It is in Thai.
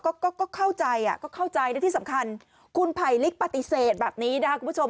ก็ก็เข้าใจอ่ะก็เข้าใจและที่สำคัญคุณไผลลิกปฏิเสธแบบนี้นะครับคุณผู้ชม